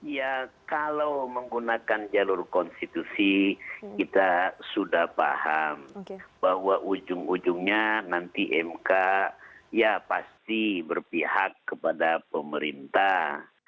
ya kalau menggunakan jalur konstitusi kita sudah paham bahwa ujung ujungnya nanti mk ya pasti berpihak kepada pemerintah